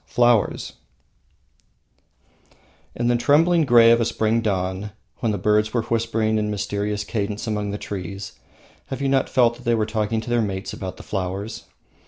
Flowers In the trembling grey of a spring dawn, when the birds were whispering in mysterious cadence among the trees, have you not felt that they were talking to their mates about the flowers?